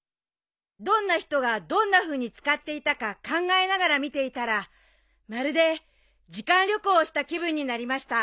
「どんな人がどんなふうに使っていたか考えながら見ていたらまるで時間旅行をした気分になりました」